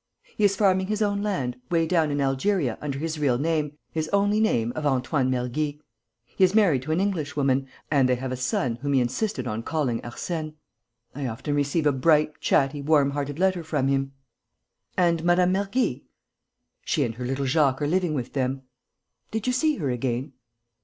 "He is farming his own land, way down in Algeria, under his real name, his only name of Antoine Mergy. He is married to an Englishwoman, and they have a son whom he insisted on calling Arsène. I often receive a bright, chatty, warm hearted letter from him." "And Mme. Mergy?" "She and her little Jacques are living with them." "Did you see her again?"